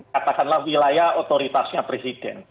katakanlah wilayah otoritasnya presiden